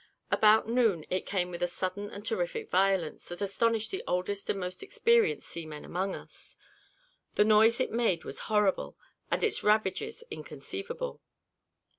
About noon it came with a sudden and terrific violence that astonished the oldest and most experienced seaman among us: the noise it made was horrible, and its ravages inconceivable.